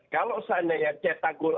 kalau seandainya cetak gol